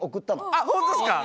あっ本当っすか？